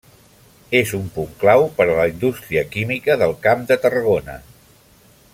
És un punt clau per a la indústria química del Camp de Tarragona.